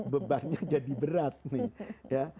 bebannya jadi berat nih